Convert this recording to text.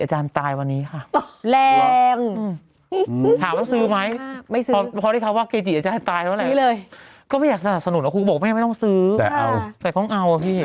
ฉันก็บอกว่าไม่ซื้อไม่ให้แบบเนี้ยห้ามสนัดสนุนเอานะ